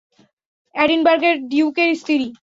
এডিনবার্গের ডিউকের স্ত্রী।